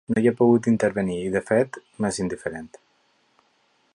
No hi he pogut intervenir i, de fet, m'és indiferent.